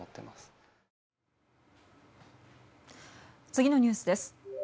次のニュースです。